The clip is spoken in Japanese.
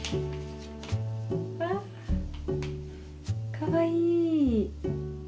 かわいい！